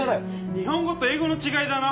日本語と英語の違いだな。